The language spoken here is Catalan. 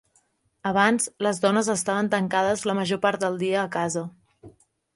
Abans les dones estaven tancades la major part del dia a casa.